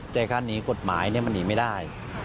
แต่ขั้นหนีกฎหมายนี่มันหนีไม่ได้